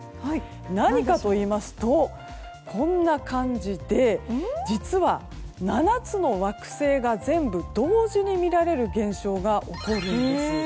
何かといいますとこんな感じで実は、７つの惑星が全部同時に見られる現象が起こるんです。